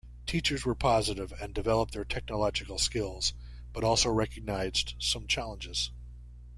Teachers were positive and developed their technological skills, but also recognized some challenges.